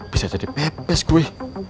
bisa jadi pepes gue